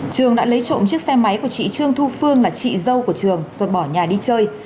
trường đã lấy trộm chiếc xe máy của chị trương thu phương là chị dâu của trường rồi bỏ nhà đi chơi